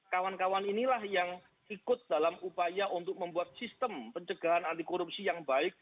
kawan kawan inilah yang ikut dalam upaya untuk membuat sistem pencegahan anti korupsi yang baik